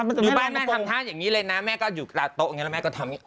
อยู่บ้านแม่ทำท่าอย่างนี้เลยแม่ก็อยู่คราวโต๊ะแม่ก็ทำอย่างลืน